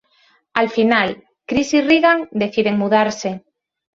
Al final, Chris y Regan deciden mudarse.